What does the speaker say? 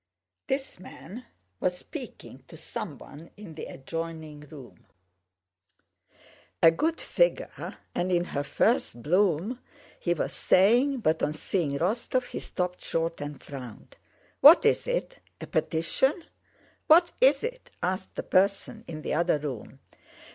This man was speaking to someone in the adjoining room. "A good figure and in her first bloom," he was saying, but on seeing Rostóv, he stopped short and frowned. "What is it? A petition?" "What is it?" asked the person in the other room.